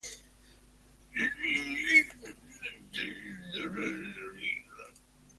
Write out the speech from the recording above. La rigidez y geometría del chasis es vital para su estabilidad.